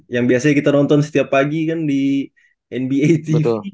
yang biasanya kita nonton setiap pagi kan di nba itu